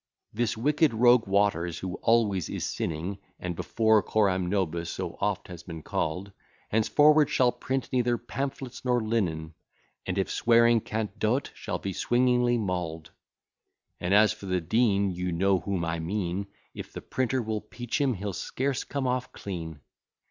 This wicked rogue Waters, who always is sinning, And before coram nobis so oft has been call'd, Henceforward shall print neither pamphlets nor linen, And if swearing can do't shall be swingingly maul'd: And as for the Dean, You know whom I mean, If the printer will peach him, he'll scarce come off clean.